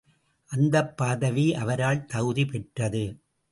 அந்தப் பதவி அவரால் தகுதி பெற்றது.